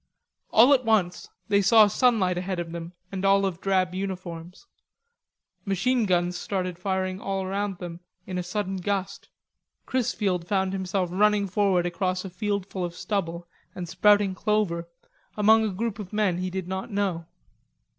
All at once they saw sunlight ahead of them and olive drab uniforms. Machine guns started firing all around them in a sudden gust. Chrisfield found himself running forward across a field full of stubble and sprouting clover among a group of men he did not know.